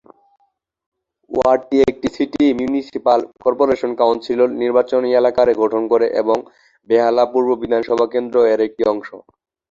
ওয়ার্ডটি একটি city municipal corporation council নির্বাচনী এলাকা গঠন করে এবং বেহালা পূর্ব বিধানসভা কেন্দ্র এর একটি অংশ।